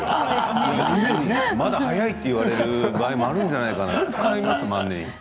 まだ早いと言われる場合もあるんじゃないかな、使いますか万年筆。